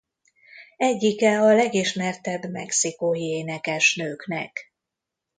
Egyike a legismertebb mexikói énekesnőknek.